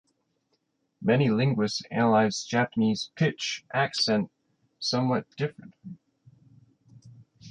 Many linguists analyse Japanese pitch accent somewhat differently.